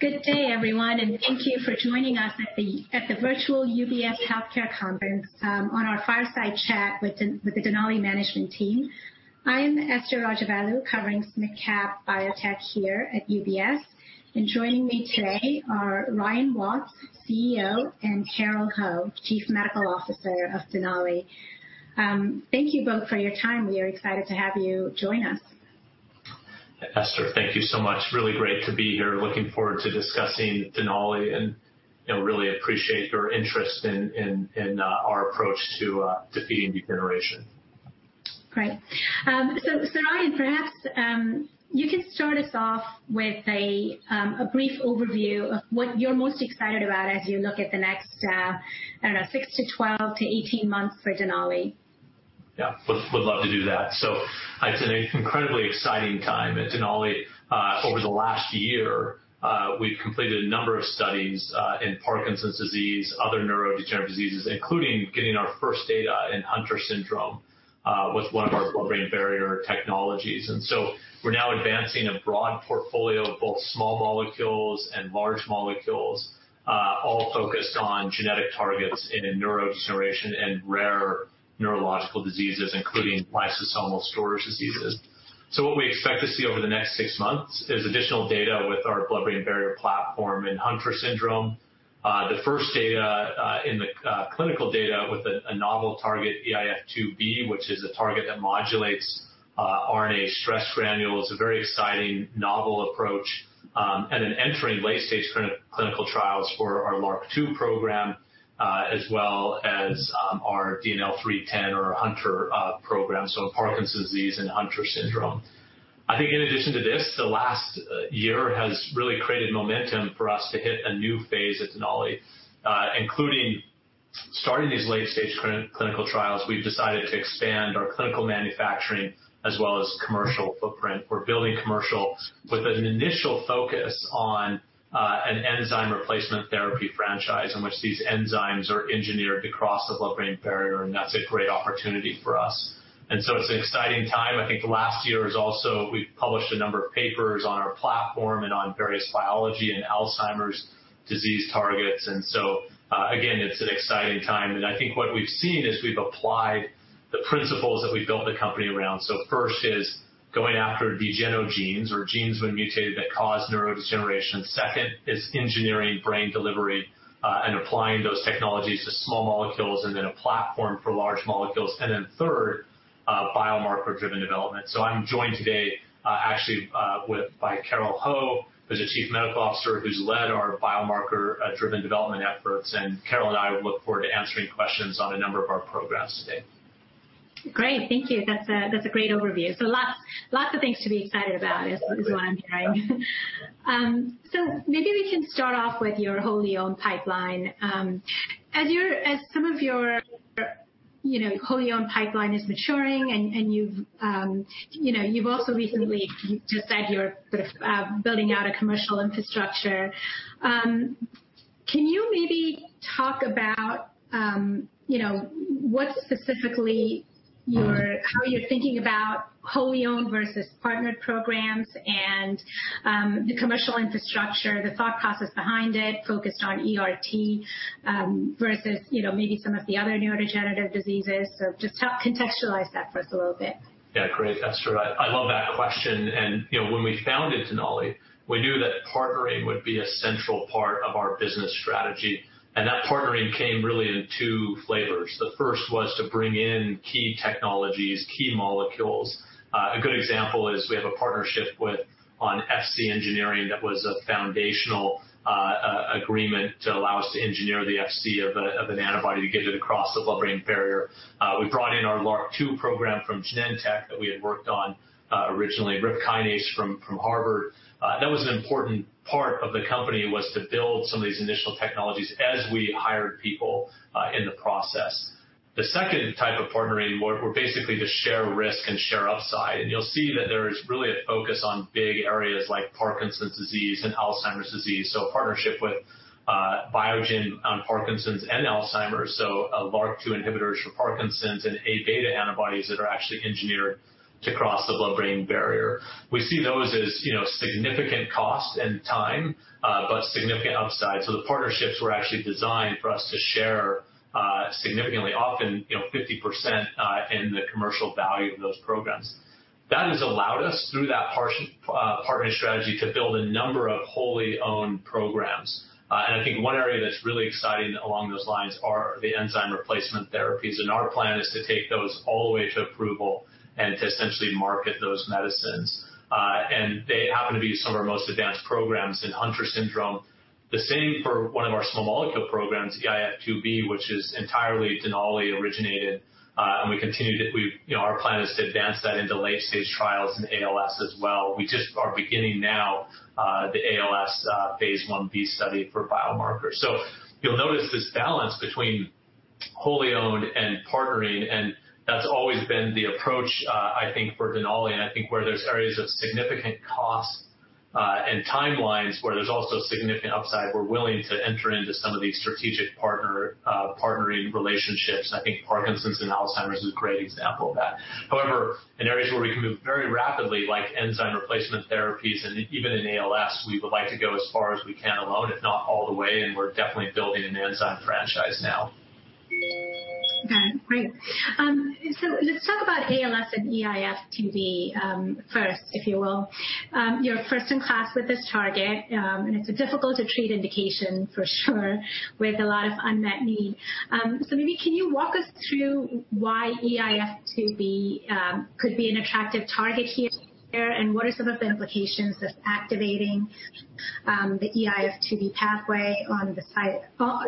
Good day everyone, thank you for joining us at the virtual UBS Healthcare Conference on our fireside chat with the Denali management team. I'm Esther Rajavelu, covering smid-cap biotechs here at UBS, and joining me today are Ryan Watts, CEO, and Carole Ho, Chief Medical Officer of Denali. Thank you both for your time. We are excited to have you join us. Esther, thank you so much. Really great to be here. Looking forward to discussing Denali, and really appreciate your interest in our approach to PD degeneration. Great. Perhaps you could start us off with a brief overview of what you're most excited about as we look at the next, 6-12-18 months for Denali. Yeah. Would love to do that. It's an incredibly exciting time at Denali. Over the last year, we've completed a number of studies in Parkinson's disease, other neurodegenerative diseases, including getting our first data in Hunter syndrome, with one of our blood-brain barrier technologies. We're now advancing a broad portfolio of both small molecules and large molecules, all focused on genetic targets in neurodegeneration and rare neurological diseases, including lysosomal storage diseases. What we expect to see over the next six months is additional data with our blood-brain barrier platform in Hunter syndrome. The first clinical data with a novel target, eIF2B, which is a target that modulates RNA stress granules, a very exciting novel approach, and then entering late-stage clinical trials for our LRRK2 program, as well as our DNL310 or Hunter program, so Parkinson's disease and Hunter syndrome. I think in addition to this, the last year has really created momentum for us to hit a new phase at Denali, including starting these late-stage clinical trials. We've decided to expand our clinical manufacturing as well as commercial footprint. We're building commercial with an initial focus on an enzyme replacement therapy franchise in which these enzymes are engineered to cross the blood-brain barrier, and that's a great opportunity for us. It's an exciting time. I think last year also, we published a number of papers on our platform and on various biology and Alzheimer's disease targets. Again, it's an exciting time, and I think what we've seen is we've applied the principles that we built the company around. First is going after de novo genes, or genes when mutated that cause neurodegeneration. Second is engineering brain delivery, and applying those technologies to small molecules and then a platform for large molecules. Third, biomarker-driven development. I'm joined today actually by Carole Ho, who's the Chief Medical Officer, who's led our biomarker-driven development efforts, and Carole and I look forward to answering questions on a number of our programs today. Great. Thank you. That's a great overview. Lots of things to be excited about as we go on. Maybe we can start off with your wholly-owned pipeline. As some of your wholly-owned pipeline is maturing and you've also recently just said you're sort of building out a commercial infrastructure. Can you maybe talk about what specifically you're thinking about wholly-owned versus partnered programs and the commercial infrastructure, the thought process behind it focused on ERT, versus maybe some of the other neurodegenerative diseases. Just contextualize that for us a little bit. Yeah. Great, Esther, I love that question. When we founded Denali, we knew that partnering would be a central part of our business strategy, and that partnering came really in two flavors. The first was to bring in key technologies, key molecules. A good example is we have a partnership on Fc engineering that was a foundational agreement to allow us to engineer the Fc of an antibody to get it across the blood-brain barrier. We brought in our LRRK2 program from Genentech that we had worked on originally, RIP kinase from Harvard. That was an important part of the company, was to build some of these initial technologies as we hired people in the process. The second type of partnering were basically to share risk and share upside. You'll see that there is really a focus on big areas like Parkinson's disease and Alzheimer's disease. A partnership with Biogen on Parkinson's and Alzheimer's, LRRK2 inhibitors for Parkinson's, and A-beta antibodies that are actually engineered to cross the blood-brain barrier. We see those as significant cost and time, but significant upside. The partnerships were actually designed for us to share significantly, often 50%, in the commercial value of those programs. That has allowed us, through that partner strategy, to build a number of wholly-owned programs. I think one area that's really exciting along those lines are the enzyme replacement therapies, and our plan is to take those all the way to approval and to essentially market those medicines. They happen to be some of our most advanced programs in Hunter syndrome. The same for one of our small molecule programs, the eIF2B, which is entirely Denali originated. Our plan is to advance that into late-stage trials in ALS as well. We just are beginning now the ALS phase Ib study for biomarkers. You'll notice this balance between wholly owned and partnering, and that's always been the approach, I think, for Denali. I think where there's areas of significant cost and timelines, where there's also significant upside, we're willing to enter into some of these strategic partnering relationships, and I think Parkinson's and Alzheimer's is a great example of that. However, in areas where we can move very rapidly, like enzyme replacement therapies and even in ALS, we would like to go as far as we can alone, if not all the way, and we're definitely building an enzyme franchise now. Great. Let's talk about ALS and eIF2B first, if you will. You're first in class with this target, and it's a difficult to treat indication for sure, with a lot of unmet need. Maybe can you walk us through why eIF2B could be an attractive target here, and what are some of the implications of activating the eIF2B pathway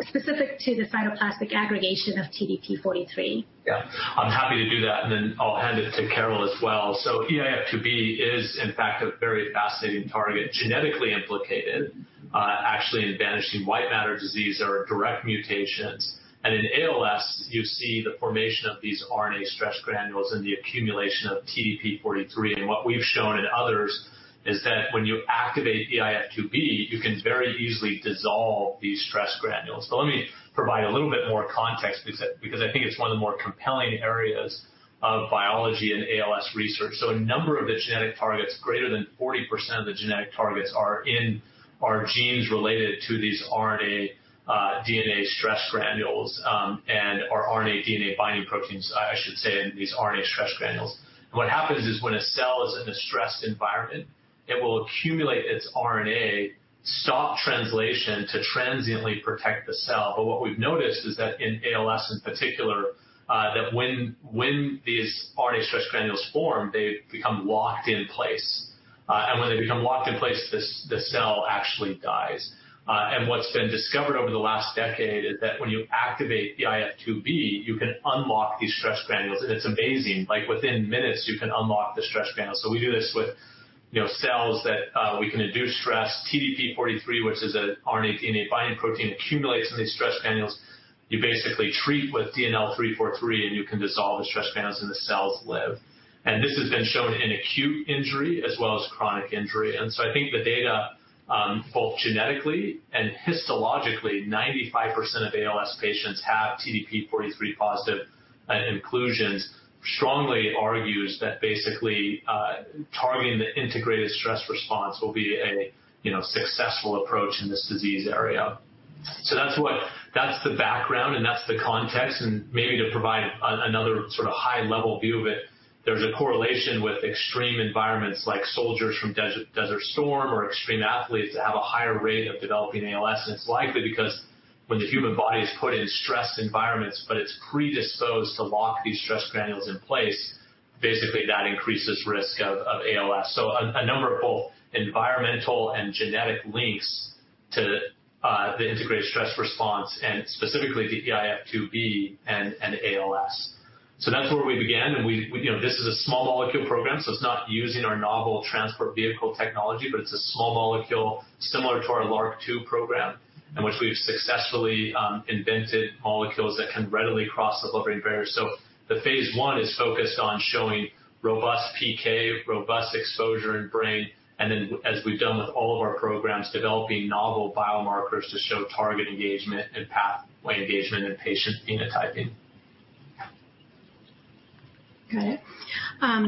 specific to the cytoplasmic aggregation of TDP-43? Yeah, I'm happy to do that, and then I'll hand it to Carole as well. eIF2B is, in fact, a very fascinating target, genetically implicated, actually, in vanishing white matter disease or direct mutations. In ALS, you see the formation of these RNA stress granules and the accumulation of TDP-43. What we've shown in others is that when you activate eIF2B, you can very easily dissolve these stress granules. Let me provide a little bit more context, because I think it's one of the more compelling areas of biology and ALS research. A number of the genetic targets, greater than 40% of the genetic targets, are in our genes related to these RNA, DNA stress granules, or RNA, DNA binding proteins. I should say, in these RNA stress granules. What happens is when a cell is in a stressed environment, it will accumulate its RNA, stop translation to transiently protect the cell. What we've noticed is that in ALS in particular, that when these RNA stress granules form, they become locked in place. When they become locked in place, the cell actually dies. What's been discovered over the last decade is that when you activate the eIF2B, you can unlock these stress granules, and it's amazing, within minutes, you can unlock the stress granules. We do this with cells that we can induce stress. TDP-43, which is an RNA, DNA binding protein, accumulates in these stress granules. You basically treat with DNL343, you can dissolve the stress granules, the cells live. This has been shown in acute injury as well as chronic injury. I think the data, both genetically and histologically, 95% of ALS patients have TDP-43 positive inclusions, strongly argues that basically, targeting the integrated stress response will be a successful approach in this disease area. That's the background, and that's the context. Maybe to provide another sort of high-level view of it, there's a correlation with extreme environments, like soldiers from Desert Storm or extreme athletes that have a higher rate of developing ALS. It's likely because when the human body is put in stress environments, but it's predisposed to lock these stress granules in place, basically that increases risk of ALS. A number of both environmental and genetic links to the integrated stress response, and specifically the eIF2B and ALS. That's where we began, and this is a small molecule program, so it's not using our novel Transport Vehicle technology, but it's a small molecule similar to our LRRK2 program, in which we've successfully invented molecules that can readily cross the blood-brain barrier. The phase I is focused on showing robust PK, robust exposure in brain, and then, as we've done with all of our programs, developing novel biomarkers to show target engagement and pathway engagement and patient phenotyping. Good. I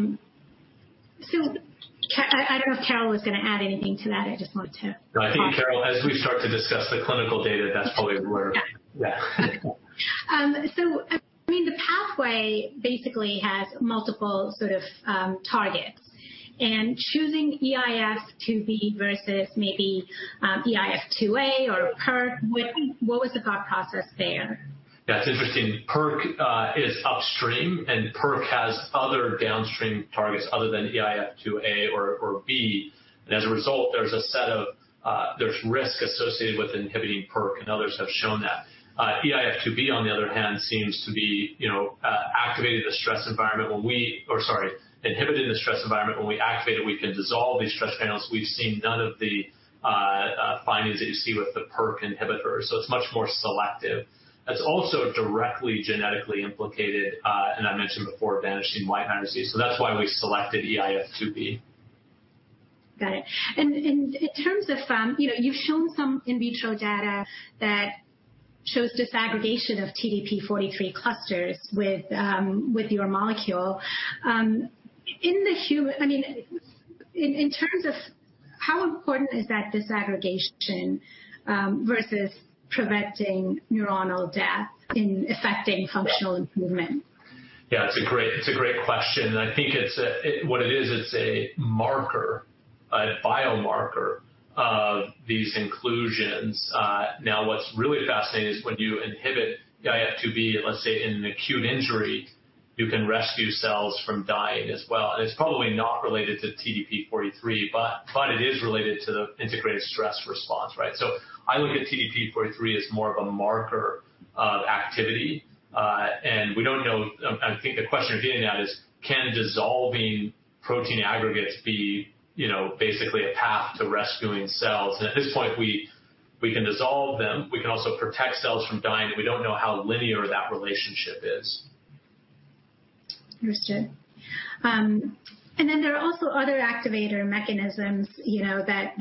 don't know if Carole was going to add anything to that. I think Carole, as we start to discuss the clinical data. Yeah. Yeah. I mean, the pathway basically has multiple sort of targets, and choosing eIF2B versus maybe eIF2α or PERK, what was the thought process there? That's interesting. PERK is upstream, and PERK has other downstream targets other than eIF2α or B. As a result, there's risk associated with inhibiting PERK, and others have shown that. eIF2B, on the other hand, seems to be inhibited in a stress environment. When we activate it, we can dissolve these stress granules. We've seen none of the findings that you see with the PERK inhibitor, so it's much more selective. It's also directly genetically implicated, and I mentioned before, vanishing white matter disease, so that's why we selected eIF2B. Got it. In terms of, you've shown some in vitro data that shows disaggregation of TDP-43 clusters with your molecule. In terms of how important is that disaggregation versus preventing neuronal death in affecting functional improvement? Yeah, it's a great question. I think what it is, it's a marker, a biomarker of these inclusions. Now, what's really fascinating is when you inhibit eIF2B, let's say in an acute injury, you can rescue cells from dying as well. It's probably not related to TDP-43, but it is related to the integrated stress response, right? I look at TDP-43 as more of a marker of activity. We don't know, I think the question you're getting at is, can dissolving protein aggregates be basically a path to rescuing cells? At this point, we can dissolve them. We can also protect cells from dying, but we don't know how linear that relationship is. Understood. There are also other activator mechanisms that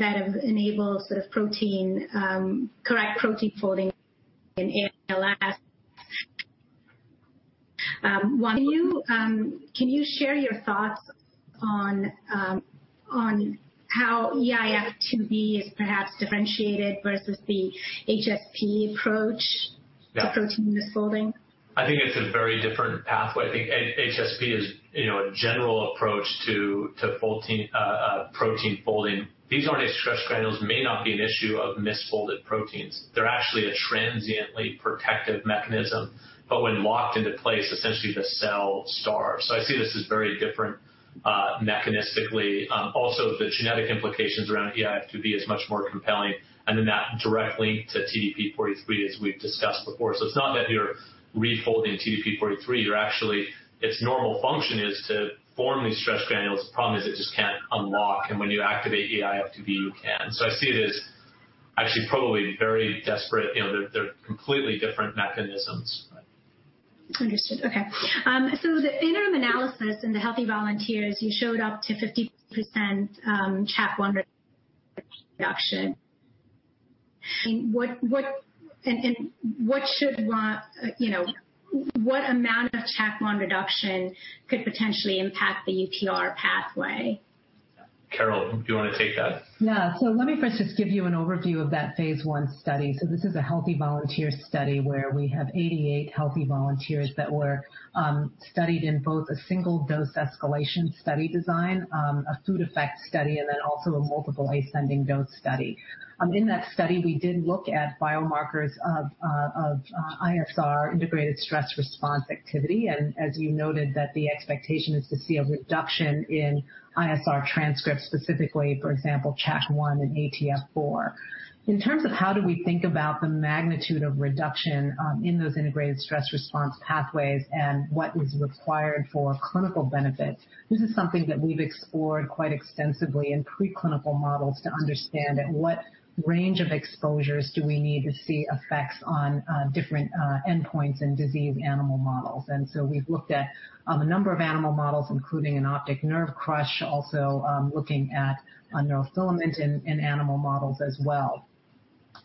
enable sort of correct protein folding in ALS. Can you share your thoughts on how eIF2B is perhaps differentiated versus the HSP approach to misfolding? I think it's a very different pathway. I think HSP is a general approach to protein folding. These are only stress granules, may not be an issue of misfolded proteins. They're actually a transiently protective mechanism, but when locked into place, essentially the cell starves. I see this as very different mechanistically. Also, the genetic implications around eIF2B is much more compelling and then map directly to TDP-43, as we've discussed before. It's not that you're refolding TDP-43. Its normal function is to form these stress granules. The problem is it just can't unlock, and when you activate eIF2B, you can. I see it as actually probably very disparate, they're completely different mechanisms. Understood. Okay. The interim analysis in the healthy volunteers, you showed up to 50% CHOP reduction. What amount of CHOP reduction could potentially impact the ISR pathway? Carole, do you want to take that? Let me first just give you an overview of that phase I study. This is a healthy volunteer study where we have 88 healthy volunteers that were studied in both a single-dose escalation study design, a food effect study, and then also a multiple ascending-dose study. In that study, we did look at biomarkers of ISR, Integrated Stress Response activity. As you noted, that the expectation is to see a reduction in ISR transcripts, specifically, for example, CHOP and ATF4. In terms of how do we think about the magnitude of reduction in those Integrated Stress Response pathways and what is required for clinical benefits, this is something that we've explored quite extensively in preclinical models to understand at what range of exposures do we need to see effects on different endpoints in diseased animal models. We've looked at a number of animal models, including an optic nerve crush, also looking at neurofilament in animal models as well.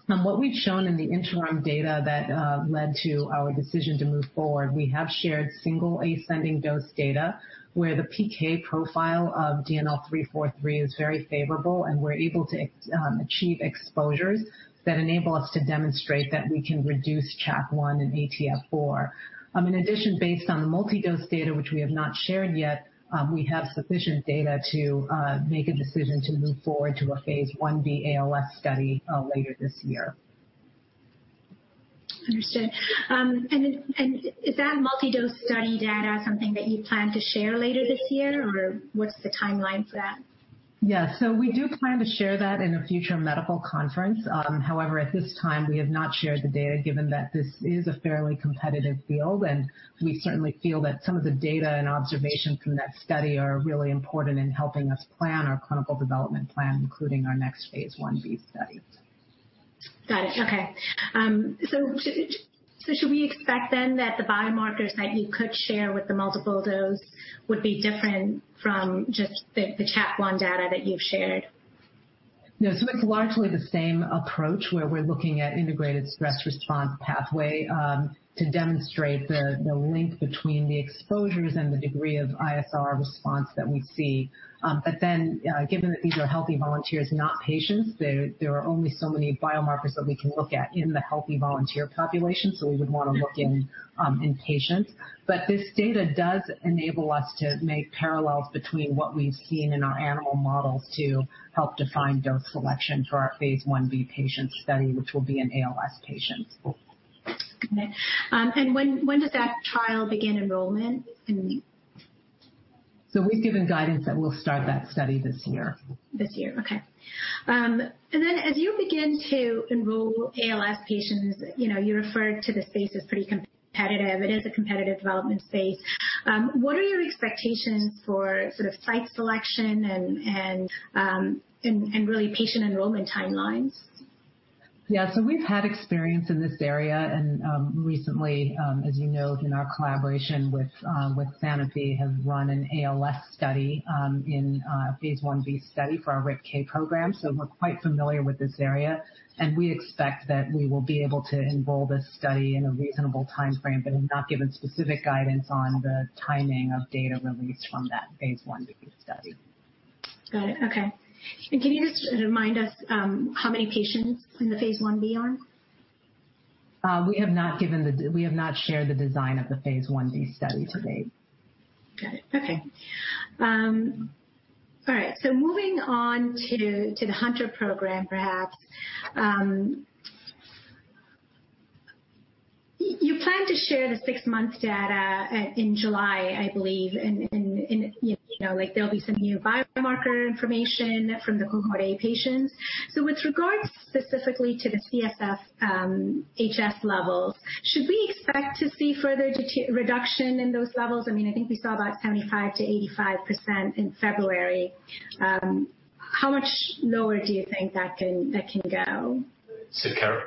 What we've shown in the interim data that led to our decision to move forward, we have shared single ascending-dose data where the PK profile of DNL343 is very favorable, and we're able to achieve exposures that enable us to demonstrate that we can reduce CHOP and ATF4. In addition, based on multi-dose data, which we have not shared yet, we have sufficient data to make a decision to move forward to a phase Ib ALS study later this year. Understood. Is that multi-dose study data something that you plan to share later this year, or what's the timeline for that? Yeah. We do plan to share that in a future medical conference. However, at this time, we have not shared the data, given that this is a fairly competitive field, and we certainly feel that some of the data and observations from that study are really important in helping us plan our clinical development plan, including our next phase Ib study. Got it. Okay. Should we expect then that the biomarkers that you could share with the multiple dose would be different from just the CHOP data that you've shared? Yes. So it's largely the same approach where we're looking at Integrated Stress Response pathway to demonstrate the link between the exposures and the degree of ISR response that we see. Given that these are healthy volunteers, not patients, there are only so many biomarkers that we can look at in the healthy volunteer population, so we would want to look in patients. This data does enable us to make parallels between what we've seen in our animal models to help define dose selection for our phase Ib patient study, which will be in ALS patients. Okay. When does that trial begin enrollment? We've given guidance that we'll start that study this year. This year. Okay. As you begin to enroll ALS patients, you're referring to the space as pretty competitive, it is a competitive development space. What are your expectations for sort of site selection and really patient enrollment timelines? Yeah. We've had experience in this area, and recently, as you know, in our collaboration with Sanofi, have run an ALS study in phase Ib study for our RIPK1 program. We're quite familiar with this area, and we expect that we will be able to enroll this study in a reasonable timeframe, but have not given specific guidance on the timing of data release from that phase Ib study. Got it. Okay. Can you just remind us how many patients in the phase Ib arm? We have not shared the design of the phase Ib study to date. Got it. Okay. All right, moving on to the Hunter program, perhaps. You plan to share the six-month data in July, I believe, and there'll be some new biomarker information from the cohort A patients. With regards specifically to the CSF HS levels, should we expect to see further reduction in those levels? I think we saw about 75%-85% in February. How much lower do you think that can go?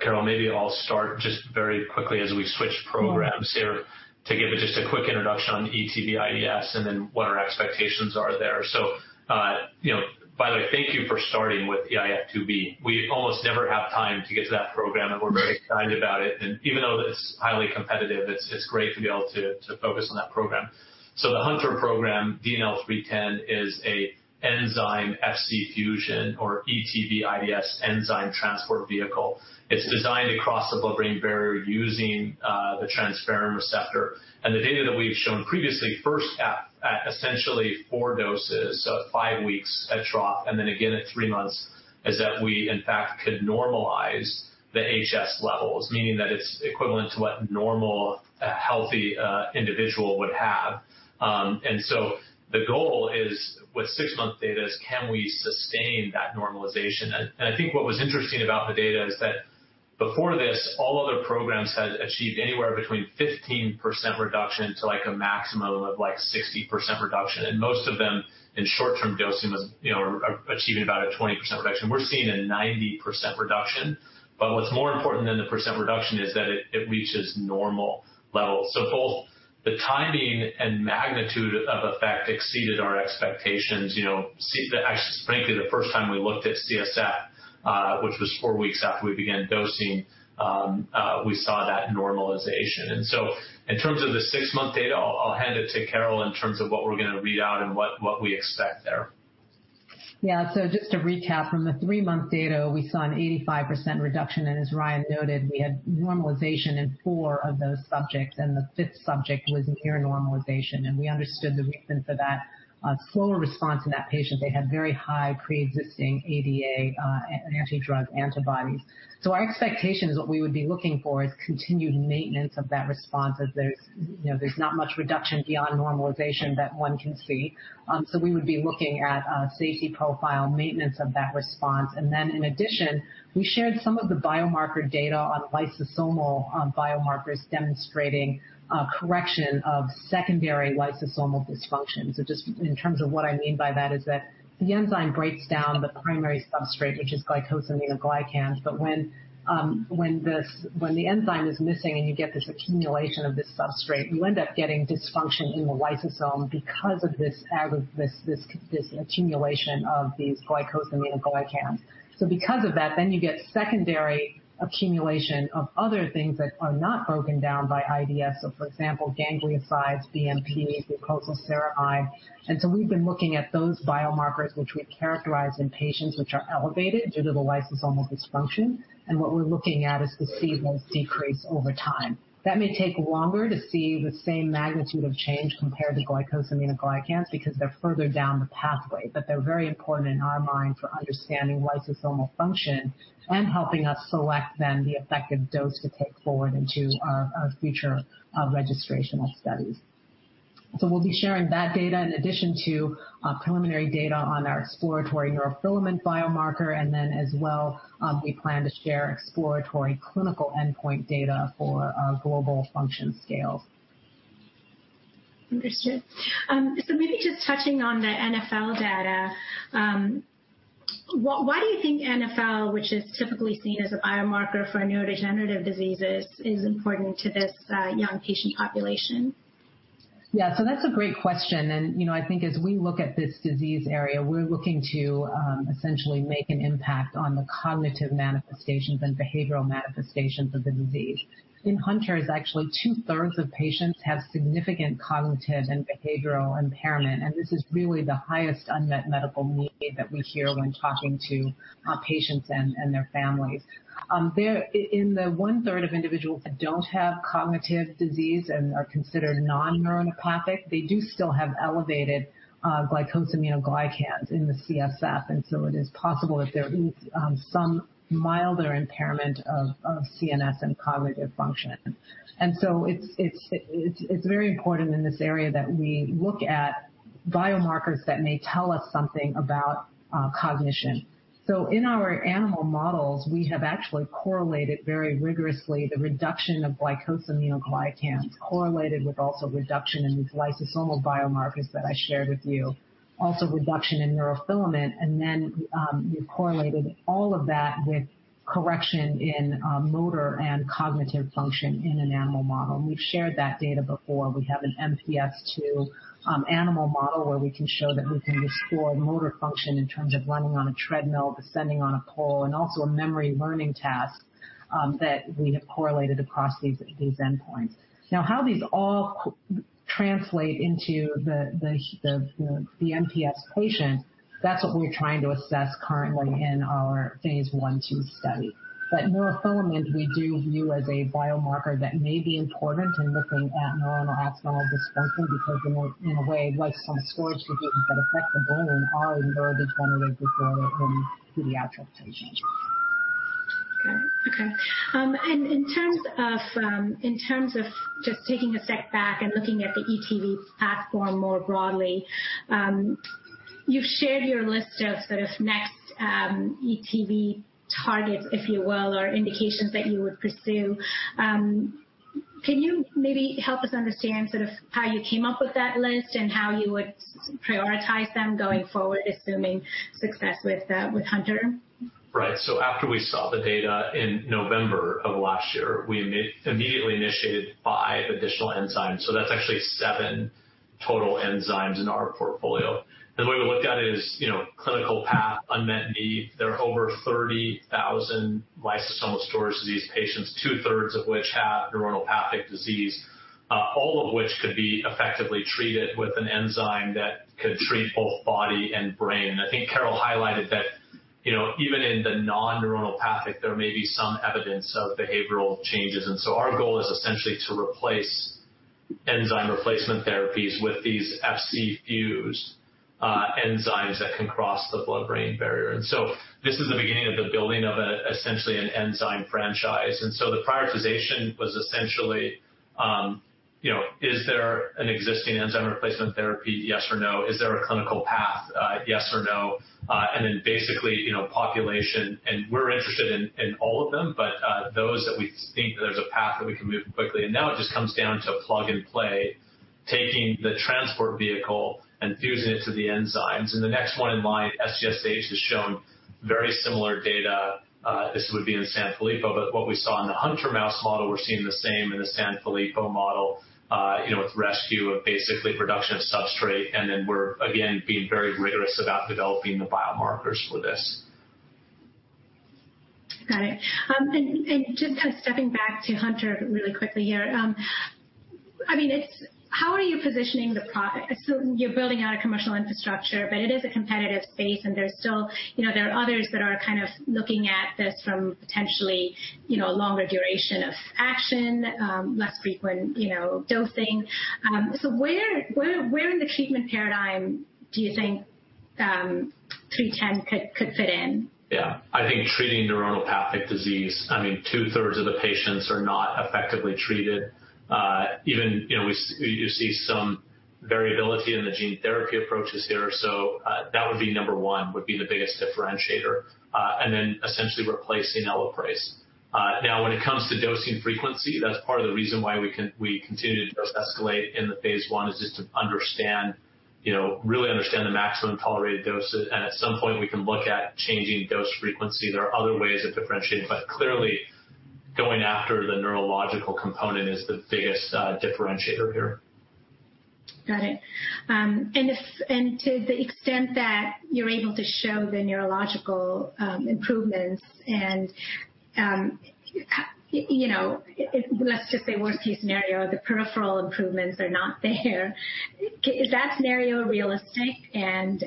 Carole, maybe I'll start just very quickly as we switch programs here to give just a quick introduction on the ETV:IDS and then what our expectations are there. By the way, thank you for starting with the eIF2B. We almost never have time to get to that program, and we're very excited about it. Even though it's highly competitive, it's great to be able to focus on that program. The Hunter syndrome program, DNL310, is a enzyme Fc fusion or ETV:IDS Enzyme Transport Vehicle. It's designed to cross the blood-brain barrier using the transferrin receptor. The data that we've shown previously, first at essentially four doses, so at five weeks, at trough, and then again at three months, is that we in fact could normalize the HS levels, meaning that it's equivalent to what a normal, healthy individual would have. The goal is, with six-month data, is can we sustain that normalization? I think what was interesting about the data is that before this, all other programs had achieved anywhere between 15% reduction to a maximum of 60% reduction, and most of them in short-term dosing achieved about a 20% reduction. We're seeing a 90% reduction, but what's more important than the percent reduction is that it reaches normal levels. Both the timing and magnitude of effect exceeded our expectations. Actually, frankly, the first time we looked at CSF, which was four weeks after we began dosing, we saw that normalization. In terms of the six-month data, I'll hand it to Carole in terms of what we're going to read out and what we expect there. Yeah. Just to recap, from the three-month data, we saw an 85% reduction, and as Ryan noted, we had normalization in four of those subjects, and the fifth subject was in near normalization. We understood the reason for that slower response in that patient. They had very high preexisting ADA and anti-drug antibodies. Our expectations, what we would be looking for, is continued maintenance of that response, that there's not much reduction beyond normalization that one can see. We would be looking at safety profile maintenance of that response. In addition, we shared some of the biomarker data on lysosomal biomarkers demonstrating correction of secondary lysosomal dysfunction. Just in terms of what I mean by that is that the enzyme breaks down the primary substrate, which is glycosaminoglycans. When the enzyme is missing and you get this accumulation of this substrate, you end up getting dysfunction in the lysosome because of this accumulation of these glycosaminoglycans. Because of that, you get secondary accumulation of other things that are not broken down by IDS, for example, gangliosides, BMPs, sulfatide. We've been looking at those biomarkers which we characterized in patients which are elevated due to the lysosomal dysfunction, what we're looking at is to see if they'll decrease over time. That may take longer to see the same magnitude of change compared to glycosaminoglycans because they're further down the pathway, but they're very important in our mind for understanding lysosomal function and helping us select then the effective dose to take forward into our future registrational studies. We'll be sharing that data in addition to preliminary data on our exploratory neurofilament biomarker, and then as well, we plan to share exploratory clinical endpoint data for global function scales. Understood. Maybe just touching on the NfL data, why do you think NfL, which is typically seen as a biomarker for neurodegenerative diseases, is important to this young patient population? Yeah. That's a great question. I think as we look at this disease area, we're looking to essentially make an impact on the cognitive manifestations and behavioral manifestations of the disease. In Hunter, actually two-thirds of patients have significant cognitive and behavioral impairment, and this is really the highest unmet medical need that we hear when talking to patients and their families. In the one-third of individuals that don't have cognitive disease and are considered non-neuronopathic, they do still have elevated glycosaminoglycans in the CSF, and so it is possible that there is some milder impairment of CNS and cognitive function. It's very important in this area that we look at biomarkers that may tell us something about cognition. In our animal models, we have actually correlated very rigorously the reduction of glycosaminoglycans correlated with also reduction in these lysosomal biomarkers that I shared with you, also reduction in neurofilament, and then we correlated all of that with correction in motor and cognitive function in an animal model. We've shared that data before. We have an MPS II animal model where we can show that we can restore motor function in terms of running on a treadmill, ascending on a pole, and also a memory learning task, that we have correlated across these endpoints. How these all translate into the MPS patients, that's what we're trying to assess currently in our phase I/II study. Neurofilament we do view as a biomarker that may be important in looking at normal axonal dysfunction because in a way, lysosomal storage diseases that affect the brain are neurodegenerative brain diseases in pediatric patients. Okay. In terms of just taking a step back and looking at the ETV platform more broadly, you've shared your list of sort of next ETV targets, if you well, are indications that you would pursue. Can you maybe help us understand how you came up with that list and how you would prioritize them going forward, assuming success with Hunter? Right. After we saw the data in November of last year, we immediately initiated five additional enzymes. That's actually seven total enzymes in our portfolio. The way we looked at it is, clinical path unmet need. There are over 30,000 lysosomal storage diseases patients, two-thirds of which have neuronopathic disease, all of which could be effectively treated with an enzyme that could treat both body and brain. I think Carole highlighted that even in the non-neuronopathic, there may be some evidence of behavioral changes, our goal is essentially to replace enzyme replacement therapies with these Fc fuse enzymes that can cross the blood-brain barrier. This is the beginning of the building of essentially an enzyme franchise. The prioritization was essentially, is there an existing enzyme replacement therapy, yes or no? Is there a clinical path, yes or no? Basically, population, and we're interested in all of them, but those that we think there's a path that we can move quickly. Now it just comes down to plug and play, taking the Transport Vehicle and fusing it to the enzymes. The next one in line, ETV:SGSH, has shown very similar data as would be in Sanfilippo. What we saw in the Hunter mouse model, we're seeing the same in the Sanfilippo model, with rescue of basically production of substrate, we're again being very rigorous about developing the biomarkers for this. Got it. Just stepping back to Hunter really quickly here. How are you positioning the product? You're building out a commercial infrastructure, but it is a competitive space, and there are others that are kind of looking at this from potentially longer duration of action, less frequent dosing. Where in the treatment paradigm do you think DNL310 could fit in? Yeah. I think treating neuronopathic disease, two-thirds of the patients are not effectively treated. You see some variability in the gene therapy approaches there. That would be number one, would be the biggest differentiator, and then essentially replacing ELAPRASE. Now when it comes to dosing frequency, that's part of the reason why we continue to escalate into phase I is just to really understand the maximum tolerated dosage, and at some point, we can look at changing dose frequency. There are other ways of differentiating, but clearly going after the neurological component is the biggest differentiator here. Got it. To the extent that you're able to show the neurological improvements, let's just say worst case scenario, the peripheral improvements are not there. Is that scenario realistic, and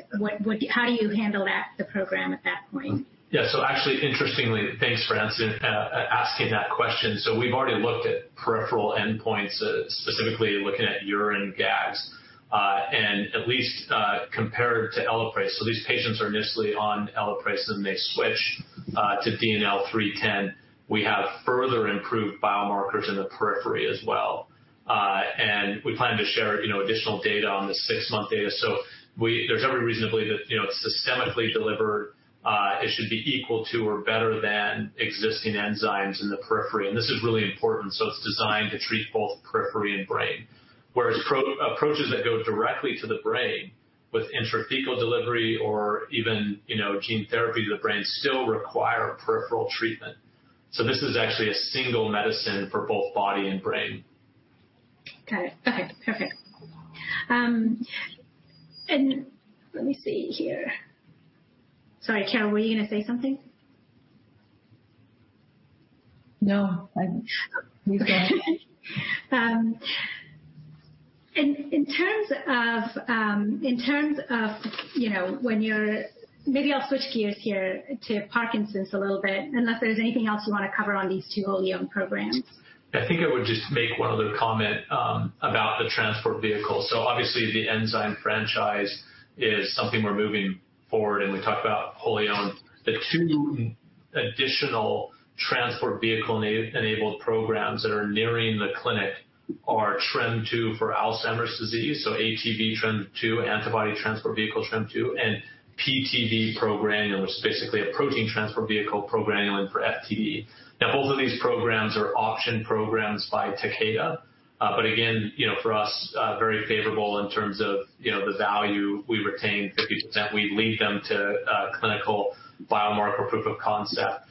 how do you handle the program at that point? Actually, interestingly, thanks for asking that question. We've already looked at peripheral endpoints, specifically looking at urine GAGs, and at least compared to ELAPRASE. These patients are initially on ELAPRASE, then they switch to DNL310. We have further improved biomarkers in the periphery as well. We plan to share additional data on the six-month data. There's every reason to believe that systemically delivered, it should be equal to or better than existing enzymes in the periphery. This is really important, it's designed to treat both periphery and brain. Whereas approaches that go directly to the brain with intrathecal delivery or even gene therapy to the brain still require peripheral treatment. This is actually a single medicine for both body and brain. Got it, perfect. Let me see here. Sorry, Carole, were you going to say something? No, I'm okay. Maybe I'll switch gears here to Parkinson's a little bit, unless there's anything else you want to cover on these two wholly-owned programs. I think I would just make one other comment about the Transport Vehicle. obviously, the enzyme franchise is something we're moving forward, and we talked about wholly-owned. The two additional Transport Vehicle-enabled programs that are nearing the clinic are TREM2 for Alzheimer's disease, so ATV:TREM2, Antibody Transport Vehicle TREM2, and PTV:progranulin, which is basically a Protein Transport Vehicle progranulin for FTD. both of these programs are option programs by Takeda. again, for us, very favorable in terms of the value we retain 50%, we lead them to clinical biomarker proof of concept.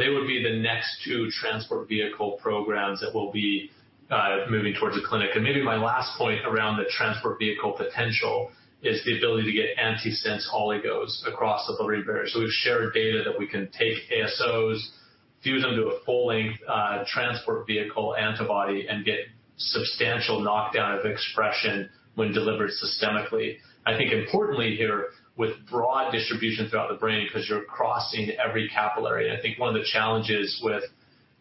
They would be the next two Transport Vehicle programs that will be moving towards the clinic, maybe my last point around the Transport Vehicle potential is the ability to get antisense oligos across the blood-brain barrier. We've shared data that we can take ASOs, fuse them to a full-length Transport Vehicle antibody, and get substantial knockout of expression when delivered systemically. I think importantly here with broad distribution throughout the brain because you're crossing every capillary. I think one of the challenges with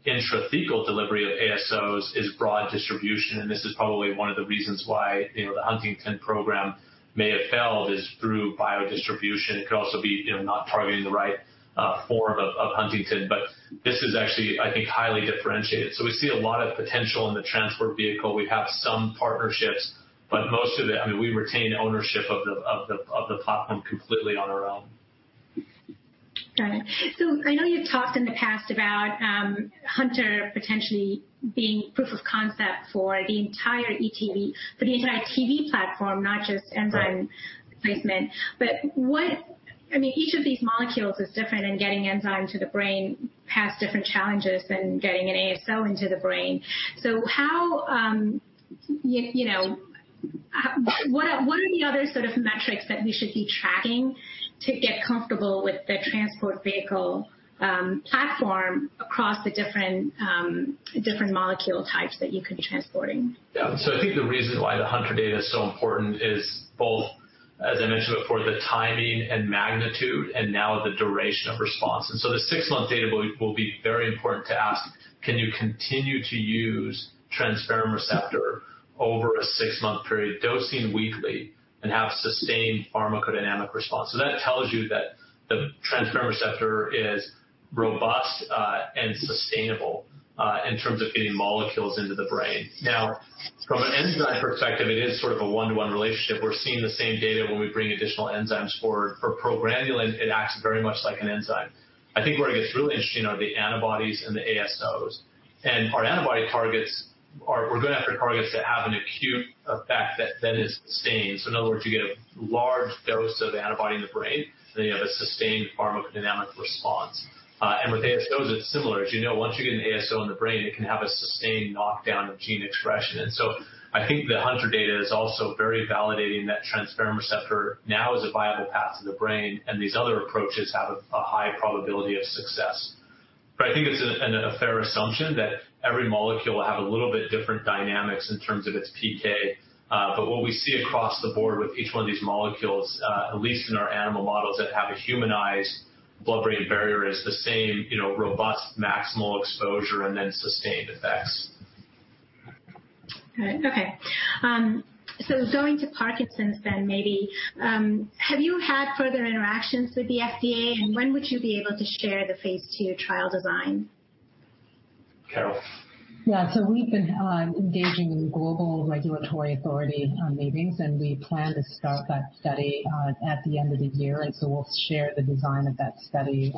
intrathecal delivery of ASOs is broad distribution, and this is probably one of the reasons why the huntingtin program may have failed is through biodistribution. It could also be, not targeting the right form of Huntington, but this is actually I think highly differentiated. We see a lot of potential in the Transport Vehicle. We have some partnerships, but most of them, we retain ownership of the platform completely on our own. Got it. I know you've talked in the past about Hunter potentially being proof of concept for the entire ETV, for the entire TV platform, not just enzyme replacement. Each of these molecules is different, and getting enzyme to the brain has different challenges than getting an ASO into the brain. What are the other sort of metrics that we should be tracking to get comfortable with the Transport Vehicle platform across the different molecule types that you can transport in? I think the reason why the Hunter data is so important is both, as I mentioned before, the timing and magnitude, and now the duration of response. The six-month data will be very important to ask, can you continue to use transferrin receptor over a six-month period, dosing weekly, and have sustained pharmacodynamic response? That tells you that the transferrin receptor is robust and sustainable in terms of getting molecules into the brain. From an enzyme perspective, it is sort of a one-to-one relationship. We're seeing the same data when we bring additional enzymes forward. For progranulin, it acts very much like an enzyme. I think where it gets really interesting are the antibodies and the ASOs. Our antibody targets, we're going after targets that have an acute effect that then is sustained. In other words, you get a large dose of the antibody in the brain, then you have a sustained pharmacodynamic response. With ASOs, it's similar as you know, once you get an ASO in the brain, it can have a sustained knockdown of gene expression. I think the Hunter data is also very validating that transferrin receptor now is a viable path to the brain, and these other approaches have a high probability of success. I think it's a fair assumption that every molecule will have a little bit different dynamics in terms of its PK. What we see across the board with each one of these molecules, at least in our animal models that have a humanized blood-brain barrier, is the same robust maximal exposure and then sustained effects. All right. Okay. Going to Parkinson's then, maybe. Have you had further interactions with the FDA, and when would you be able to share the phase II trial design? Carole. Yeah. We've been engaging in global regulatory authority meetings, and we plan to start that study at the end of the year. We'll share the design of that study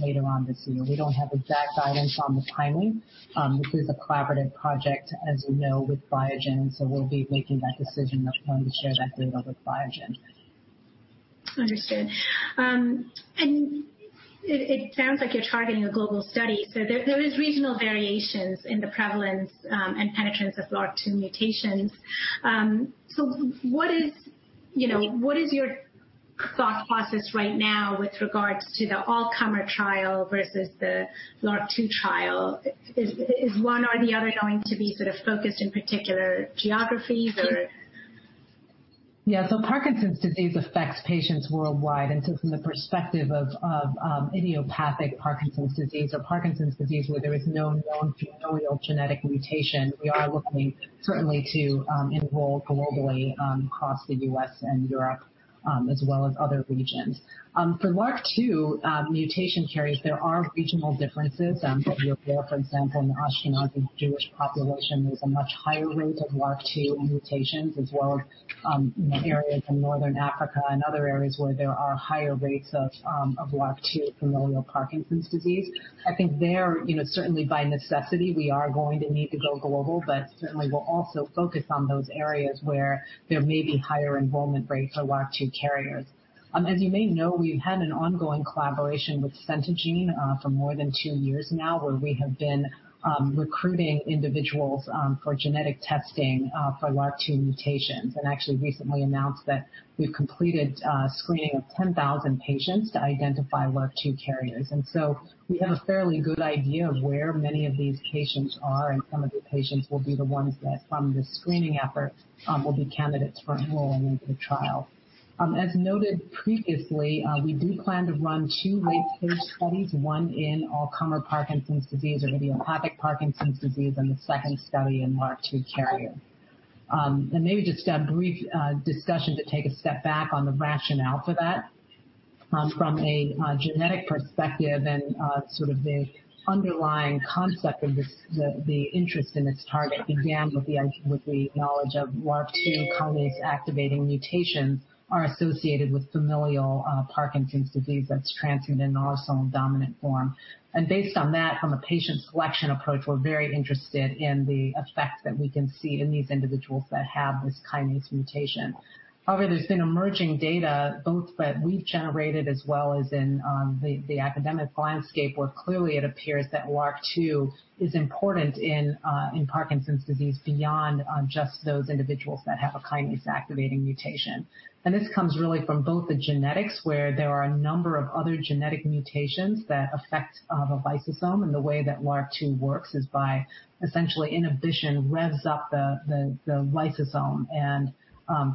later on this year. We don't have exact guidance on the timing. This is a collaborative project, as you know, with Biogen, so we'll be making that decision at the time we share that data with Biogen. Understood. It sounds like you're targeting a global study. There is regional variations in the prevalence and penetrance of LRRK2 mutations. What is your thought process right now with regards to the all-comer trial versus the LRRK2 trial? Is one or the other going to be sort of focused in particular geographies or? Yeah. Parkinson's disease affects patients worldwide. From the perspective of idiopathic Parkinson's disease or Parkinson's disease where there is no known familial genetic mutation, we are looking certainly to enroll globally across the U.S. and Europe, as well as other regions. For LRRK2 mutation carriers, there are regional differences that we're aware. For instance, in the Ashkenazi Jewish population, there's a much higher rate of LRRK2 mutations, as well as in areas from Northern Africa and other areas where there are higher rates of LRRK2 familial Parkinson's disease. I think there, certainly by necessity, we are going to need to go global, but certainly we'll also focus on those areas where there may be higher enrollment rates of LRRK2 carriers. As you may know, we've had an ongoing collaboration with Centogene for more than two years now, where we have been recruiting individuals for genetic testing for LRRK2 mutations, and actually recently announced that we've completed screening of 10,000 patients to identify LRRK2 carriers. We have a fairly good idea of where many of these patients are, and some of the patients will be the ones that from the screening effort will be candidates for enrollment in the trial. As noted previously, we do plan to run two late-stage studies, one in all-comer Parkinson's disease or idiopathic Parkinson's disease, and the second study in LRRK2 carrier. Maybe just a brief discussion to take a step back on the rationale for that. From a genetic perspective and sort of the underlying concept of the interest in this target began with the knowledge of LRRK2 kinase-activating mutations are associated with familial Parkinson's disease that's transferred in an autosomal dominant form. Based on that, from a patient selection approach, we're very interested in the effects that we can see in these individuals that have this kinase mutation. However, there's been emerging data, both that we've generated as well as in the academic landscape, where clearly it appears that LRRK2 is important in Parkinson's disease beyond just those individuals that have a kinase-activating mutation. This comes really from both the genetics, where there are a number of other genetic mutations that affect the lysosome, and the way that LRRK2 works is by essentially inhibition revs up the lysosome and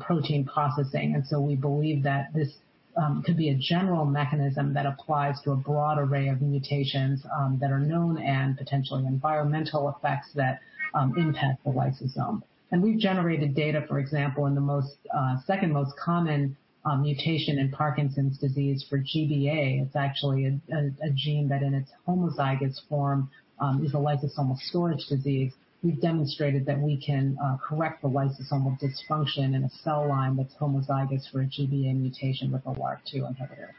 protein processing. We believe that this could be a general mechanism that applies to a broad array of mutations that are known and potentially environmental effects that impact the lysosome. We've generated data, for example, in the second most common mutation in Parkinson's disease for GBA. It's actually a gene that in its homozygous form is a lysosomal storage disease. We've demonstrated that we can correct the lysosomal dysfunction in a cell line that's homozygous for a GBA mutation with a LRRK2 inhibitor.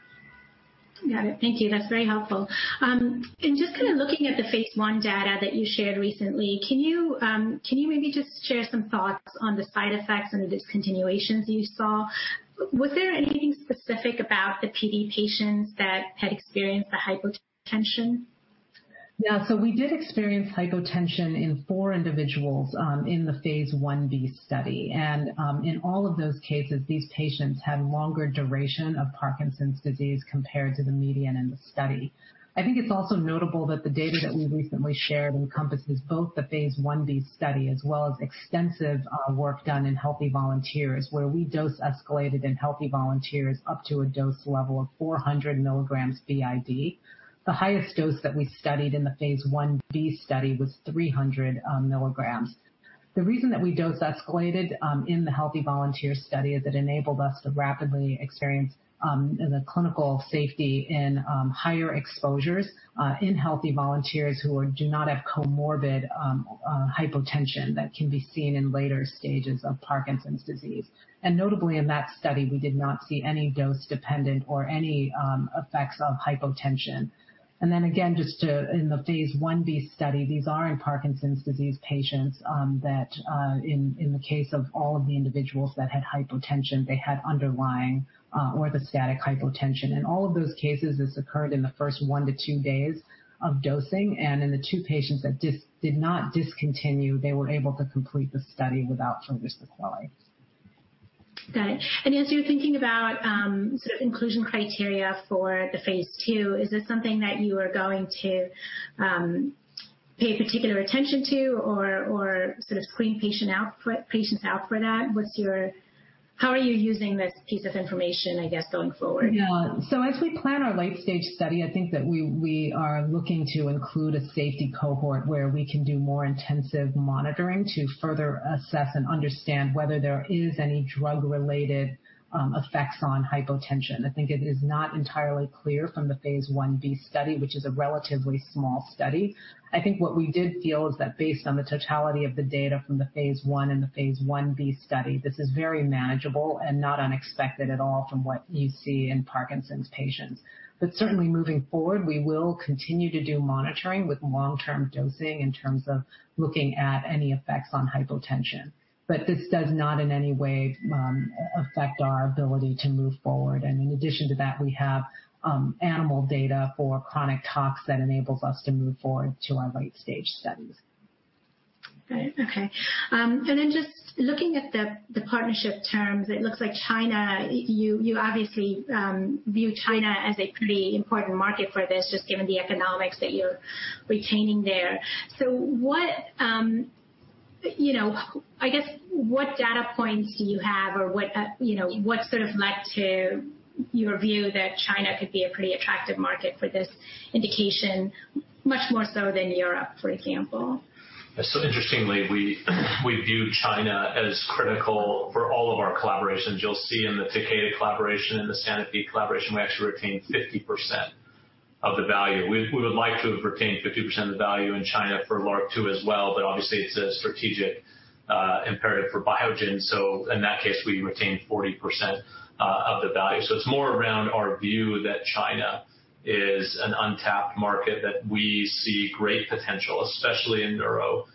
Yeah. Thank you, that's very helpful. In just kind of looking at the phase I data that you shared recently, can you maybe just share some thoughts on the side effects and discontinuations you saw? Was there anything specific about the PD patients that experienced the hypotension? Yeah. We did experience hypotension in four individuals, in the phase Ib study. In all of those cases, these patients had longer duration of Parkinson's disease compared to the median in the study. I think it is also notable that the data that we recently shared encompasses both the phase Ib study as well as extensive work done in healthy volunteers, where we dose escalated in healthy volunteers up to a dose level of 400 mg BID. The highest dose that we studied in the phase Ib study was 300 mg. The reason that we dose escalated, in the healthy volunteer study, is it enabled us to rapidly experience, in the clinical safety in higher exposures, in healthy volunteers who do not have comorbid hypotension that can be seen in later stages of Parkinson's disease. Notably in that study, we did not see any dose-dependent or any effects on hypotension. Again, just in the phase Ib study, these are in Parkinson's disease patients, that in the case of all of the individuals that had hypotension, they had underlying orthostatic hypotension. In all of those cases, this occurred in the first one to two days of dosing, and in the two patients that did not discontinue, they were able to complete the study without further supplies. Got it. As you're thinking about inclusion criteria for the phase II, is this something that you are going to pay particular attention to, or sort of screen patients out for that? How are you using this piece of information, I guess, going forward? As we plan our late-stage study, I think that we are looking to include a safety cohort where we can do more intensive monitoring to further assess and understand whether there is any drug-related effects on hypotension. I think it is not entirely clear from the phase Ib study, which is a relatively small study. I think what we did feel is that based on the totality of the data from the phase I and the phase Ib study, this is very manageable and not unexpected at all from what you see in Parkinson's patients. Certainly moving forward, we will continue to do monitoring with long-term dosing in terms of looking at any effects on hypotension. This does not in any way affect our ability to move forward. In addition to that, we have animal data for chronic tox that enables us to move forward to our late-stage studies. Great. Okay. Just looking at the partnership terms, it looks like China, you obviously view China as a pretty important market for this, just given the economics that you're retaining there. I guess, what data points do you have or what sort of led to your view that China could be a pretty attractive market for this indication, much more so than Europe, for example? Interestingly, we view China as critical for all of our collaborations. You'll see in the Takeda collaboration and the Sanofi collaboration, we actually retain 50% of the value. We would like to have retained 50% of the value in China for LRRK2 as well, obviously it's a strategic imperative for Biogen, in that case, we retain 40% of the value. It's more around our view that China is an untapped market, that we see great potential, especially in neuro,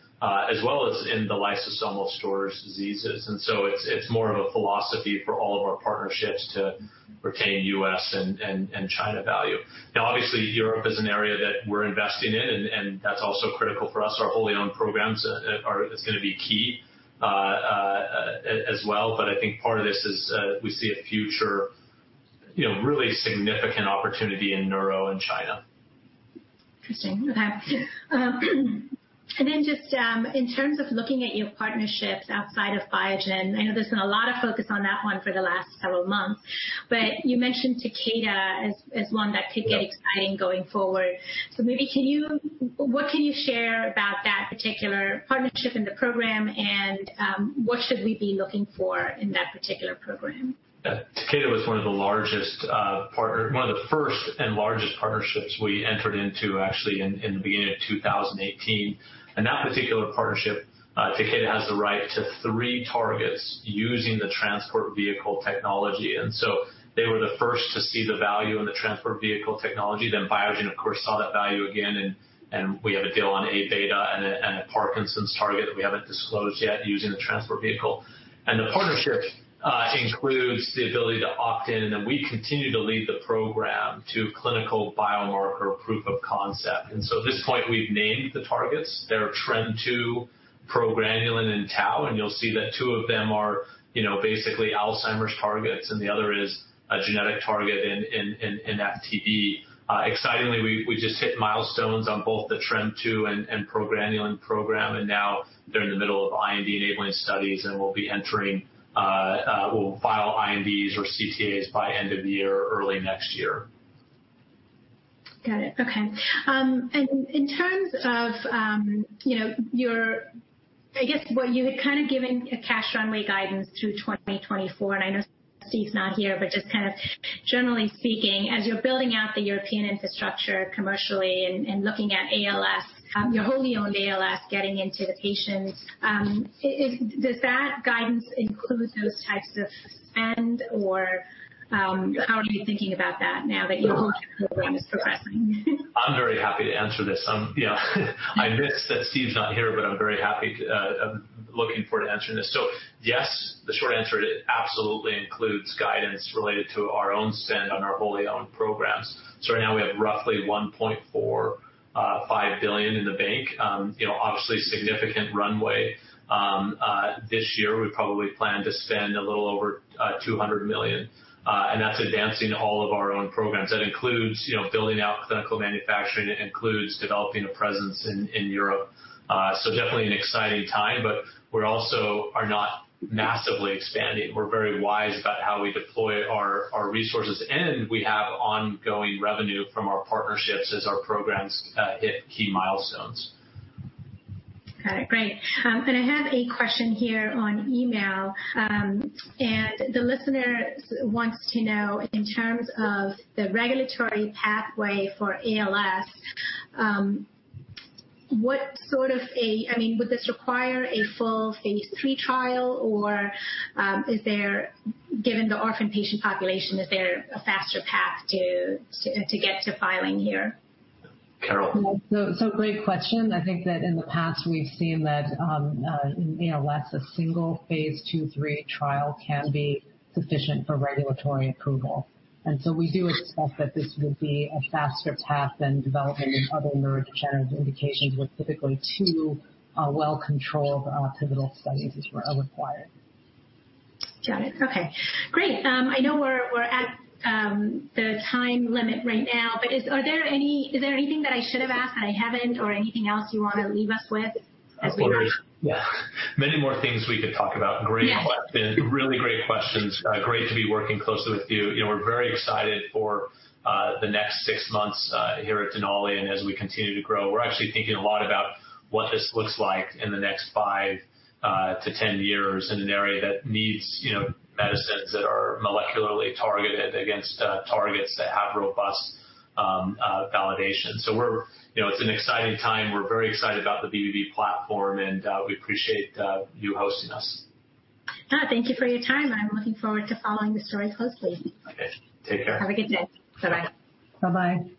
as well as in the lysosomal storage diseases. It's more of a philosophy for all of our partnerships to retain U.S. and China value. Obviously, Europe is an area that we're investing in, and that's also critical for us, our wholly owned programs are going to be key as well. I think part of this is we see a future, really significant opportunity in neuro in China. Interesting. Okay. Then just in terms of looking at your partnerships outside of Biogen, I know there's been a lot of focus on that one for the last several months. Ryan you mentioned Takeda as one that could be exciting going forward. Maybe what can you share about that particular partnership in the program, what should we be looking for in that particular program? Takeda was one of the first and largest partnerships we entered into actually in the beginning of 2018. In that particular partnership, Takeda has the right to three targets using the Transport Vehicle technology. They were the first to see the value in the Transport Vehicle technology. Biogen, of course, saw that value again, we had a deal on A-beta and a Parkinson's target we haven't disclosed yet using the Transport Vehicle. The partnership includes the ability to opt-in. We continue to lead the program to a clinical biomarker proof of concept. At this point, we've named the targets; they're TREM2, progranulin, and tau. You'll see that two of them are basically Alzheimer's targets, the other is a genetic target in FTD. Excitingly, we just hit milestones on both the TREM2 and progranulin program, and now they're in the middle of IND-enabling studies, and we'll file INDs or CTAs by end of the year, early next year. Got it. Okay. In terms of your I guess what you had kind of given a cash runway guidance through 2024, and I know Steve is not here, but just kind of generally speaking, as you're building out the European infrastructure commercially and looking at ALS, your wholly owned ALS getting into the patients, does that guidance include those types of spend or how are you thinking about that now that your program is progressing? I'm very happy to answer this. I miss that Steve is not here, but I'm very happy, I'm looking forward to answering this. Yes, the short answer, it absolutely includes guidance related to our own spend on our wholly owned programs. Right now we have roughly $1.45 billion in the bank, obviously significant runway. This year we probably plan to spend a little over $200 million, and that's advancing all of our own programs. That includes building out clinical manufacturing, it includes developing a presence in Europe. Definitely an exciting time, but we also are not massively expanding, we're very wise about how we deploy our resources and we have ongoing revenue from our partnerships as our programs hit key milestones. Got it. Great. I have a question here on email, the listener wants to know, in terms of the regulatory pathway for ALS, would this require a full phase III trial, or given the orphan patient population, is there a faster path to get to filing here? Carole. Great question. I think that in the past we've seen that in ALS, a single phase II, III trial can be sufficient for regulatory approval. We do expect that this would be a faster path than developing other neurodegenerative indications, where typically two well-controlled pivotal studies is required. Got it. Okay, great. I know we're at the time limit right now, but is there anything that I should have asked that I haven't or anything else you want to leave us with as we wrap? Yeah. Many more things we could talk about. Yes. Great questions. Really great questions, great to be working closely with you. We're very excited for the next six months here at Denali, and as we continue to grow. We're actually thinking a lot about what this looks like in the next 5-10 years in an area that needs medicines that are molecularly targeted against targets that have robust validation. It's an exciting time, we're very excited about the BBB platform, and we appreciate you hosting us. Thank you for your time, and I'm looking forward to following the story closely. Okay. Take care. Have a good day. Bye bye. Bye bye.